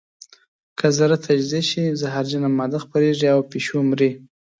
که ذره تجزیه شي زهرجنه ماده خپرېږي او پیشو مري.